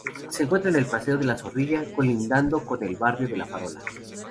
Se encuentra en el Paseo de Zorrilla, colindando con el barrio de la Farola.